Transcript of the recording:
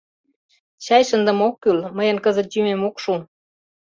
Чай шындыме ок кӱл, мыйын кызыт йӱмем ок шу.